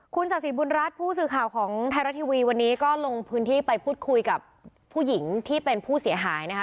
คุณศาสีบุญรัฐผู้สื่อข่าวของไทยรัฐทีวีวันนี้ก็ลงพื้นที่ไปพูดคุยกับผู้หญิงที่เป็นผู้เสียหายนะคะ